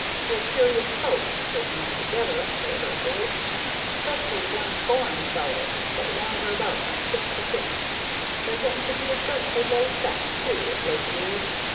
They're curious folks, take 'em altogether, sailors is; specially these foreign fellows that wander about from ship to ship. They're getting to be a dreadful low set, too, of late years.